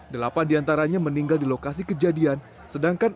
delapan di antaranya meninggal di lokasi kejadian sedangkan empat orang meninggal dunia